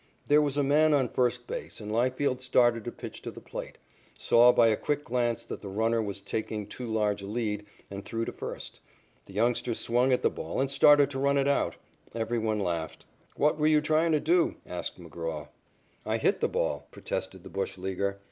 There was a man on first base and Leifield started to pitch to the plate, saw by a quick glance that the runner was taking too large a lead, and threw to first. The youngster swung at the ball and started to run it out. Every one laughed. "What were you trying to do?" asked McGraw. "I hit the ball," protested the bush leaguer.